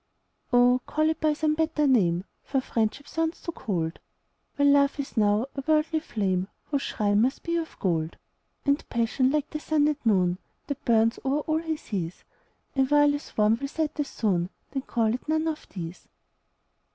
Oh, call it by some better name, For Friendship sounds too cold, While Love is now a worldly flame, Whose shrine must be of gold: And Passion, like the sun at noon, That burns o'er all he sees, Awhile as warm will set as soon Then call it none of these.